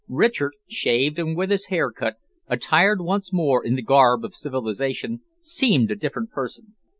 Richard, shaved and with his hair cut, attired once more in the garb of civilisation, seemed a different person.